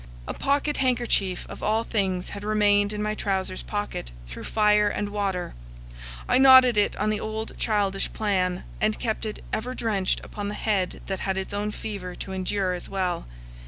A pocket handkerchief of all things had remained in my trousers pocket through fire and water; I knotted it on the old childish plan, and kept it ever drenched upon the head that had its own fever to endure as well.